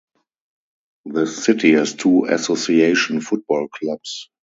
The city has had two association football clubs.